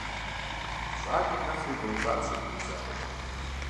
Щӏалэр нэхъри бауэбапщэрт губжьауэ.